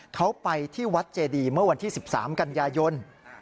เขาไปที่วัดเจดีเมื่อวันที่๑๓กันยายน